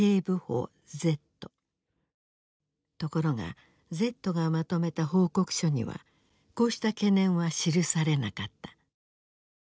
ところがＺがまとめた報告書にはこうした懸念は記されなかった。